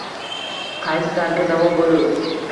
Qaysi dardga davo boʼlur?